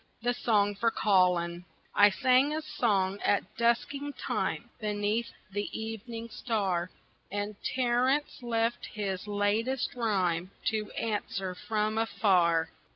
The Song for Colin I sang a song at dusking time Beneath the evening star, And Terence left his latest rhyme To answer from afar.